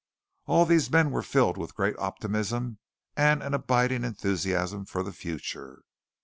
All these men were filled with a great optimism and an abiding enthusiasm for the future.